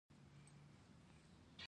يور د مېړه ويرنداري ته ويل کيږي.